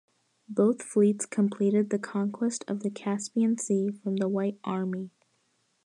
Both fleets completed the conquest of the Caspian Sea from the White Army.